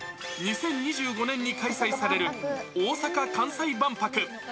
２０２５年に開催される大阪・関西万博。